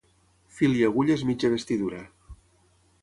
Fil i agulla és mitja vestidura.